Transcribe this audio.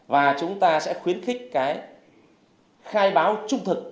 và chúng ta sẽ khuyến khích cái khai báo trung thực